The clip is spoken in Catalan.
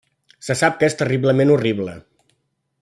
Se sap que és terriblement horrible.